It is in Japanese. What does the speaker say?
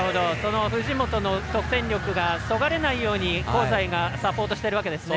藤本の得点力がそがれないように香西がサポートしているわけですね。